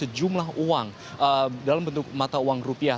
sejumlah uang dalam bentuk mata uang rupiah